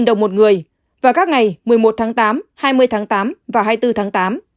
sáu trăm linh đồng một người vào các ngày một mươi một tháng tám hai mươi tháng tám và hai mươi bốn tháng tám